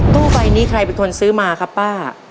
ตู้ใบนี้ใครเป็นคนซื้อมาครับป้า